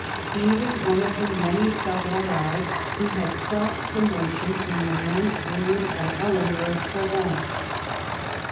He Avas one of the many Savoyards who had sought promotion in the lands ruled by Eleanor of Provence.